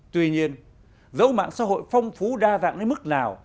tuy nhiên dẫu mạng xã hội phong phú đa dạng đến mức nào